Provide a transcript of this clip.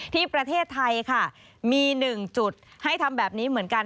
ที่ประเทศไทยค่ะมีหนึ่งจุดให้ทำแบบนี้เหมือนกัน